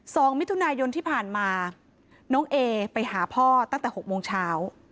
สองมิถุนายนที่ผ่านมาน้องเอไปหาพ่อตั้งแต่หกโมงเช้า